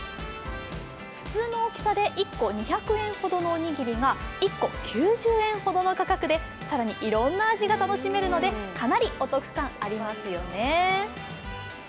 普通の大きさで１個２００円ほどのおにぎりが１個９０円ほどの価格で、更にいろんな味が楽しめるのでかなりお得感ありますよね。